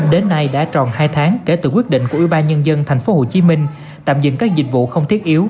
đến nay đã tròn hai tháng kể từ quyết định của ubnd tp hcm tạm dừng các dịch vụ không thiết yếu